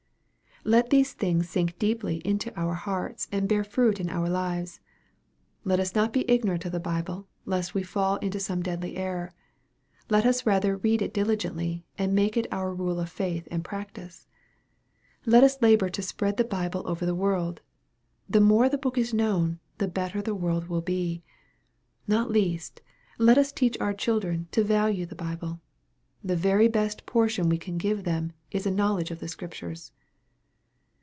Let these things sink deeply into our hearts, and bear fruit in our lives. Let us not be ignorant of the Bible, lest we fall into some deadly error. Let us rather read it diligently, and make it our rule of faith and practice. Let us labor to spread the Bible over the world. The more the book is known, the better the world will be. Not least, let us teach our children to value the Bible. The very best portion we can give them, is a knowledge of the Scriptures.